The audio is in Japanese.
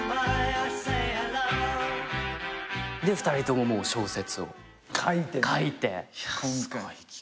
２人とももう小説を書いて。